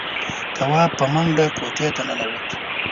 تواب په منډه کوټې ته ننوت.